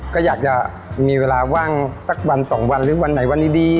ก็อยากจะมีเวลาว่างสักวันสองวันหรือวันไหนวันดี